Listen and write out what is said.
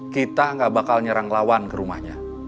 kita gak bakal nyerang lawan ke rumahnya